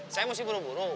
saya mesti buru buru